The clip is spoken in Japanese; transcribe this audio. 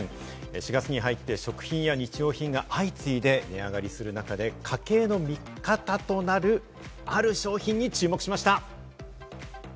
４月に入って食品や日用品が相次いで値上がりする中で家計のミカタとなる、ある商品に注目しました。